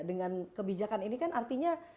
dengan kebijakan ini kan artinya